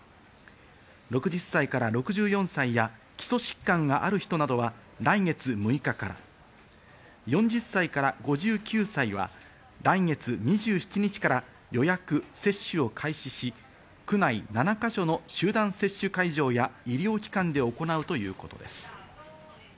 ６０歳から６４歳や、基礎疾患がある人などは来月６日から、４０歳から５９歳は来月２７日から予約・接種を開始し、区内７か所の集団接種会場や医療機関で行うということです。